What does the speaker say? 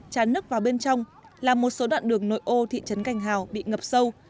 chán nước vào bên trong làm một số đoạn đường nội ô thị trấn cành hào bị ngập sâu